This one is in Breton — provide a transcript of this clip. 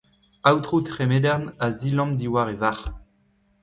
Aotrou Tremedern a zilamm diwar e varc’h.